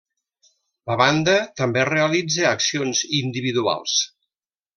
La banda també realitza accions individuals.